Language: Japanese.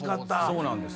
そうなんですよ。